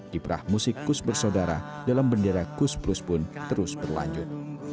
kiprah musik kus bersaudara dalam bendera kus plus pun terus berlanjut